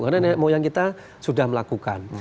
karena yang kita sudah melakukan